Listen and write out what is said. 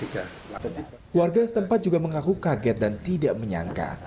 keluarga setempat juga mengaku kaget dan tidak menyangka